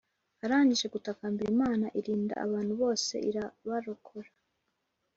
arangije gutakambira imana irinda abantu bose ikabarokora,